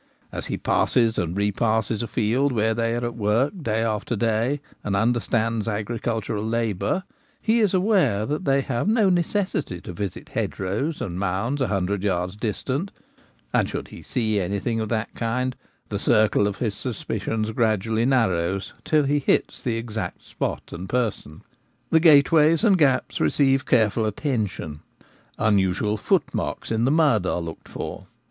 As he passes and re passes a field where they are at work day after day, * and understands agricultural labour, he is aware that they have no necessity to visit hedgerows and mounds a hundred yards distant, and should he see anything of that kind the circle of his suspicions gradually nar rows till he hits the exact spot and person. The gateways and gaps receive careful attention — unusual footmarks in the mud are looked for.